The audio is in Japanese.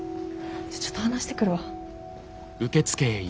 じゃあちょっと話してくるわ。